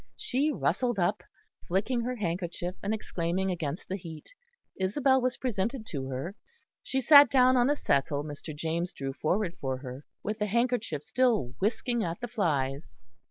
She rustled up, flicking her handkerchief, and exclaiming against the heat. Isabel was presented to her; she sat down on a settle Mr. James drew forward for her, with the handkerchief still whisking at the flies.